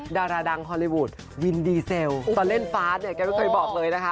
ดาราดังฮอลลีวูดวินดีเซลตอนเล่นฟ้าเนี่ยแกไม่เคยบอกเลยนะคะ